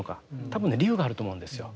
多分ね理由があると思うんですよ。